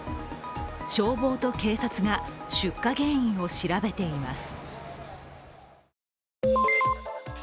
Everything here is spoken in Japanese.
消防と警察が出火原因を調べています。